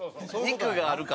肉があるから？